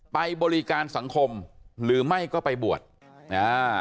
ไปบริการสังคมหรือไม่ก็ไปบวชอ่า